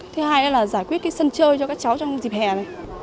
thứ hai là giải quyết cái sân chơi cho các cháu trong dịp hè này